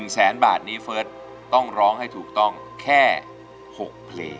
๑แสนบาทนี้เฟิร์สต้องร้องให้ถูกต้องแค่๖เพลง